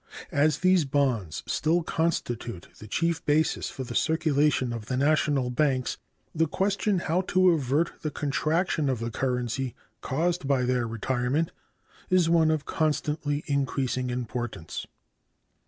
As these bonds still constitute the chief basis for the circulation of the national banks, the question how to avert the contraction of the currency caused by their retirement is one of constantly increasing importance.